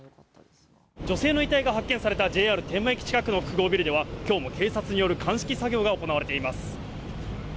女性の遺体が発見されたＪＲ天満駅近くの複合ビルでは、きょうも警察による鑑識作業が行われています。